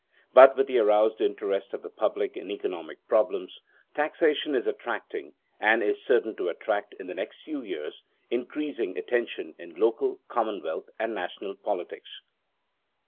But with the aroused interest of the public in economic problems, taxation is attracting, and is certain to attract in the next few years, increasing attention in local, commonwealth, and national politics.